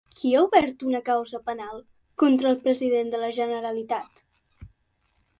Qui ha obert una causa penal contra el president de la Generalitat?